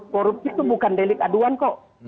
korupsi itu bukan delik aduan kok